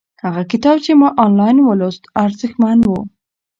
هغه کتاب چې ما آنلاین ولوست ارزښتمن و.